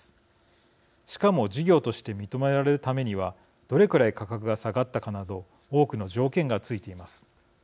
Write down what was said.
しかも事業として認められるためにはどれくらい価格が下がったかなど多くの条件がついています。